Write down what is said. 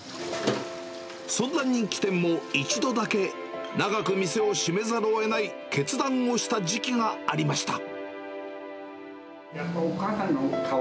そんな人気店も、一度だけ、長く店を閉めざるをえない決断をした時期がありました。